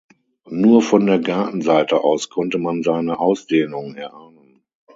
Nur von der Gartenseite aus konnte man seine Ausdehnung erahnen.